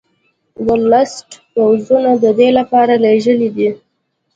ورلسټ پوځونه د دې لپاره لېږلي دي.